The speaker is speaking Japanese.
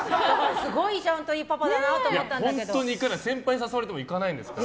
すごいちゃんといいパパだなと思ったんだけど。